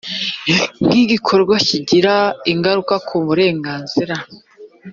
nk igikorwa kigira ingaruka ku burenganzira